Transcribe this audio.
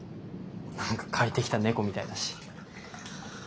何か借りてきた猫みたいだし。